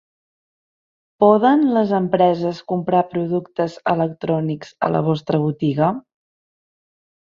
Poden les empreses comprar productes electrònics a la vostra botiga?